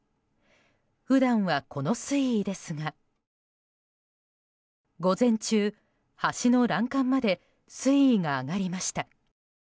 普段は、この水位ですが午前中、橋の欄干まで水位が上がりました。